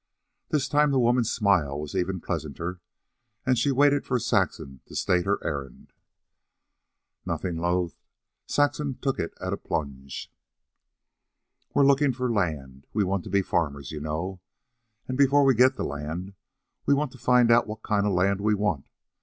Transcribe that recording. This time the woman's smile was even pleasanter, and she waited for Saxon to state her errand. Nothing loath, Saxon took it at a plunge. "We're looking for land. We want to be farmers, you know, and before we get the land we want to find out what kind of land we want.